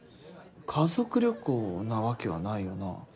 家族旅行なわけはないよな？